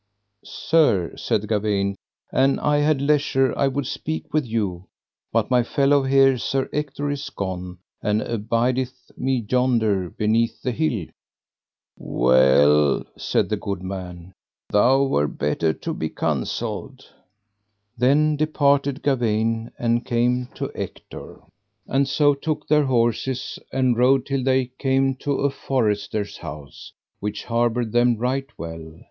Sir, said Gawaine an I had leisure I would speak with you, but my fellow here, Sir Ector, is gone, and abideth me yonder beneath the hill. Well, said the good man, thou were better to be counselled. Then departed Gawaine and came to Ector, and so took their horses and rode till they came to a forester's house, which harboured them right well.